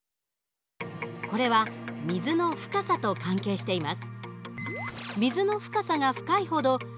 これは水の深さと関係しています。